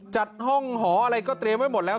จัดห้องหออะไรก็เตรียมไว้หมดแล้ว